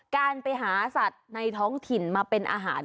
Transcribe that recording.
การไปหาสัตว์ในท้องถิ่นมาเป็นอาหาร